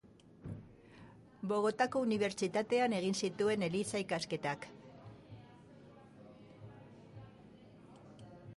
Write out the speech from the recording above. Bogotako unibertsitatean egin zituen eliza-ikasketak.